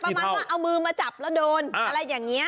ประมาณว่าเอามือมาจับแล้วโดนอะไรอย่างนี้